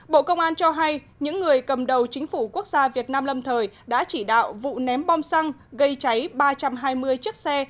bộ công an cho hay những người cầm đầu chính phủ quốc gia việt nam lâm thời đã chỉ đạo vụ ném bom xăng gây cháy ba trăm hai mươi chiếc xe